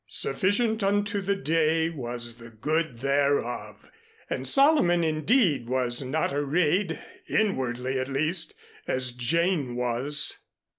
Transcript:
Sufficient unto the day was the good thereof, and Solomon indeed was not arrayed inwardly at least as Jane was.